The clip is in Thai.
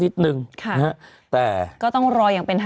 มีสารตั้งต้นเนี่ยคือยาเคเนี่ยใช่ไหมคะ